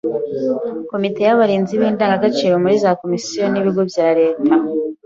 Komite y’abarinzi b’indangagaciro muri za komisiyo n’ibigo bya leta